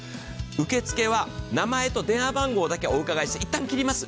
受付は名前と電話番号だけお伺いして一旦切ります。